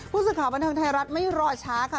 ผู้สื่อข่าวบันเทิงไทยรัฐไม่รอช้าค่ะ